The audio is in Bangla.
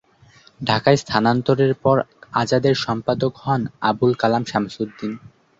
ঢাকায় স্থানান্তরের পর আজাদের সম্পাদক হন আবুল কালাম শামসুদ্দীন।